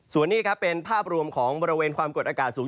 ส่วนนี้ครับเป็นภาพรวมของบริเวณความกดอากาศสูง